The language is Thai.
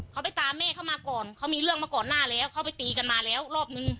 เขาไปตามแม่เข้ามาก่อนเขามีเรื่องมาก่อนหน้าแล้วเขาไปตีกันมาแล้วรอบนึง